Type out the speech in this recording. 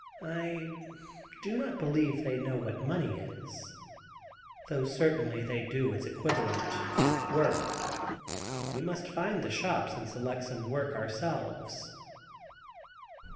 "I do not believe they know what money is, though certainly they do its equivalent—work. We must find the shops and select some work ourselves."